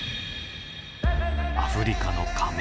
アフリカの仮面。